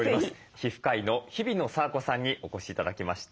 皮膚科医の日比野佐和子さんにお越し頂きました。